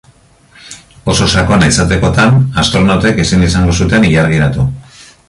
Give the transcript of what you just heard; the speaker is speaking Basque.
Oso sakona izatekotan, astronautek ezin izango zuten ilargiratu.